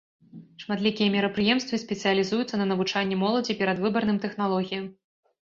Шматлікія мерапрыемствы спецыялізуюцца на навучанні моладзі перадвыбарным тэхналогіям.